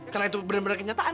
karena itu benar benar kenyataan